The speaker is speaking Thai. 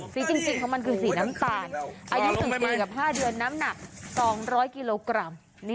จริงของมันคือสีน้ำตาลอายุ๑ปีกับ๕เดือนน้ำหนัก๒๐๐กิโลกรัม